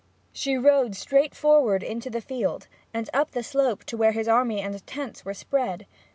She rode straight forward into the field, and up the slope to where his army and tents were spread.